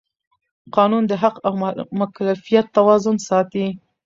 قانون د حق او مکلفیت توازن ساتي.